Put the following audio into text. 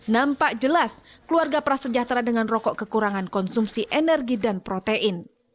nampak jelas keluarga prasejahtera dengan rokok kekurangan konsumsi energi dan protein